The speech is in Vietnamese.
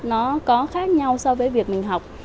nó có khác nhau so với việc mình học